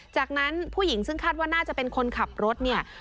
จากนั้นผู้หญิงซึ่งคาดว่าน่าจะเป็นคนขับรถเนี่ย